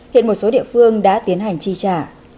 hiện một số địa phương đã tiến hành chi trả